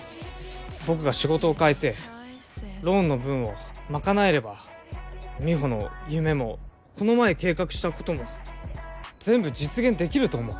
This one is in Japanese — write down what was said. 僕が仕事を変えてローンの分を賄えれば美帆の夢もこの前計画したことも全部実現できると思う。